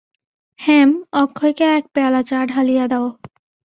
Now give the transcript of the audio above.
হেম, অক্ষয়কে এক পেয়ালা চা ঢালিয়া দাও।